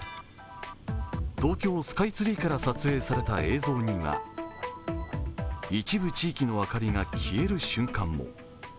東京スカイツリーから撮影された映像には一部地域の明かりが消える瞬間も。